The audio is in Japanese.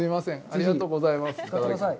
ありがとうございます。